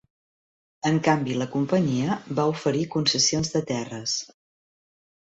En canvi, la companyia va oferir concessions de terres.